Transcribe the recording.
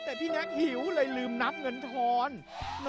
แต่พี่แน็กหิวเลยลืมนับเงินทอน